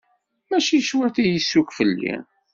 Mačči cwiṭ i yessukk fell-i.